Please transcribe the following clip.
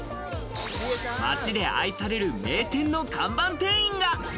街で愛される名店の看板店員が。